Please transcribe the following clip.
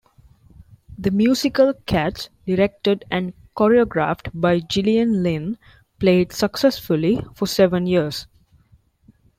The musical "Cats" directed and choreographed by Gillian Lynne played successfully for seven years.